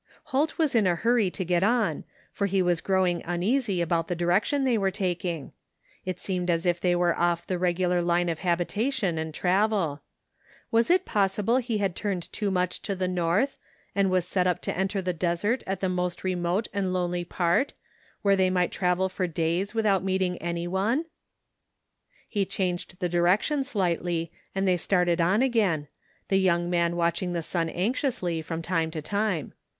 Holt was in a hurry to get on, for he was growing uneasy about the direction they were taking. It seemed as if they were off the regular line of habitation and travel. Was it possible he had tiuned too much to the north and was set to enter the desert at the most remote and lonely part, where they might travel for days without meeting anyone? He changed the direction slightly and they started on again, the young man watching the sim anxiously from time to time.